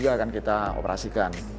runway tiga akan kita operasikan